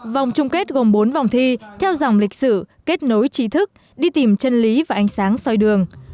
vòng chung kết gồm bốn vòng thi theo dòng lịch sử kết nối trí thức đi tìm chân lý và ánh sáng soi đường